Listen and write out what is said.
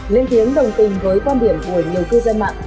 lên tiếng đồng tình với quan điểm của nhiều cư dân mạng